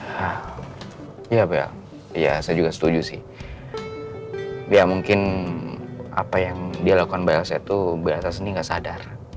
hah ya mbak elsa ya saya juga setuju sih ya mungkin apa yang dia lakukan mbak elsa itu berdasarkan ini nggak sadar ya